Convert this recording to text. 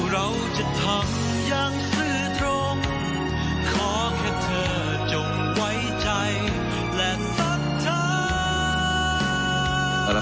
เราจะทำอย่างซื่อตรงขอแค่เธอจงไว้ใจและทักทา